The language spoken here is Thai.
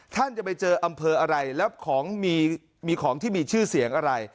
ท่านจะไปเจออำเภออะไรแล้วของมีของที่มีชื่อเสียงอะไร